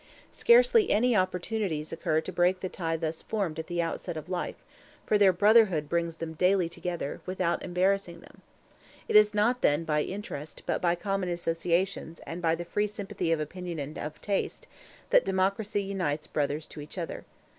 Scarcely any opportunities occur to break the tie thus formed at the outset of life; for their brotherhood brings them daily together, without embarrassing them. It is not, then, by interest, but by common associations and by the free sympathy of opinion and of taste, that democracy unites brothers to each other.